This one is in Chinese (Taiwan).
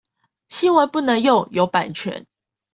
新聞不能用，有版權